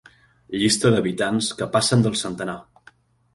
Llista d'habitants que passen del centenar.